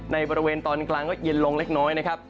ในบริเวณตอนกลางก็เย็นลงเล็กน้อยนะครับ